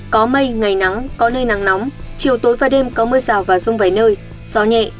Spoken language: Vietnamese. có mây ngày nắng có nơi nắng nóng chiều tối và đêm có mưa rào và rông vài nơi gió nhẹ